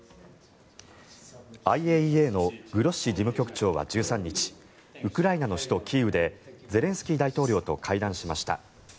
ＩＡＥＡのグロッシ事務局長は１３日ウクライナの首都キーウでゼレンスキー大統領と会談しました。